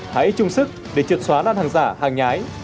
hãy chung sức để trượt xóa non hàng giả hàng nhái